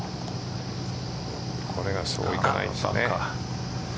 これがそうはいかないんですよね。